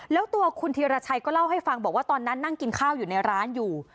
แล้วตัวคุณธีรชัยก็เล่าให้ฟังบอกว่าตอนนั้นนั่งกินข้าวอยู่ในร้านอยู่